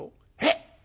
「えっ！